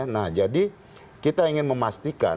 nah jadi kita ingin memastikan